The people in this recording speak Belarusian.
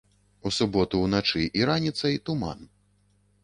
У суботу уначы і раніцай туман.